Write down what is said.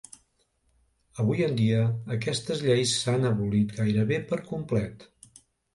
Avui en dia aquestes lleis s'han abolit gairebé per complet.